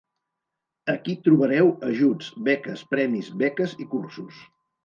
Aquí trobareu ajuts, beques, premis, beques i cursos.